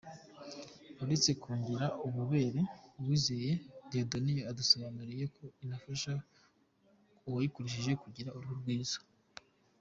Uretse kongera ubobere, Uwizeye Dieudonne yadusobanuriye ko inafasha uwayikoresheje kugira uruhu rwiza.